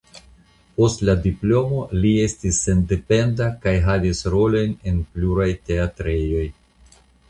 Post la diplomo li estis sendependa kaj havis rolojn en pluraj teatrejoj.